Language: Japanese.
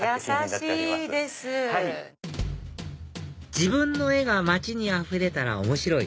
「自分の絵が街にあふれたら面白い」